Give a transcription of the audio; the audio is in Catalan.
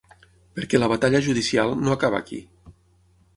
Perquè la batalla judicial no acaba aquí.